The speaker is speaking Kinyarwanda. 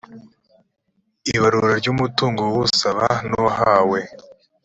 y ibarura ry umutungo w usaba n uwahawe